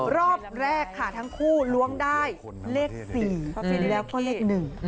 รอบแรกค่ะทั้งคู่ล้วงได้เลข๔แล้วก็เลขหนึ่ง